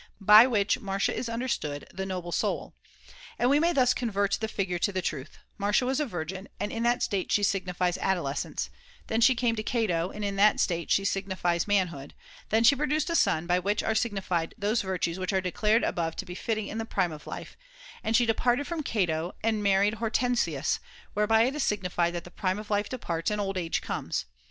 By which Marcia is understood the noble soul. And we may thus convert the figure to the truth : Marcia was a virgin, and in that state she signifies adolescence ; then she came to Cato, and in that state she signifies manhood ; then she produced sons, by which are signified those virtues which are declared above to be fitting in the prime of life ; and she de parted from [[i 103 Cato and married Hortensius, whereby it is signified that the prime of life departs and old age comes.